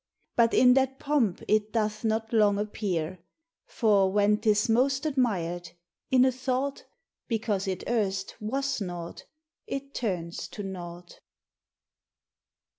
.— But in that pomp it doth not long appear ; For when 't is most admired, in a thought, Because it erst was nought, it turns to nought.